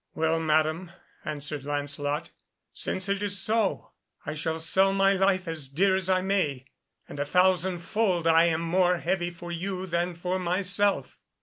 "Well, Madam," answered Lancelot, "since it is so, I shall sell my life as dear as I may, and a thousandfold I am more heavy for you than for myself."